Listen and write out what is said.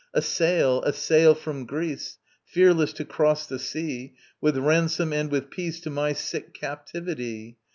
A sail, a sail from Greece, Fearless to cross the sea, With ransom and with peace To my sick captivity.